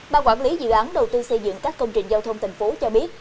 ba quản lý dự án đầu tư xây dựng các công trình giao thông tp hcm cho biết